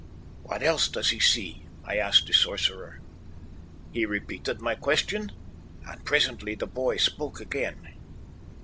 "'What else does he see?' I asked the sorcerer. "He repeated my question, and presently the boy spoke again.